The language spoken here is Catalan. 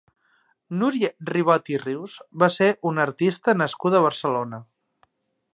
Núria Ribot i Rius va ser una artista nascuda a Barcelona.